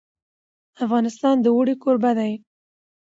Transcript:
افغانستان د اوړي کوربه دی.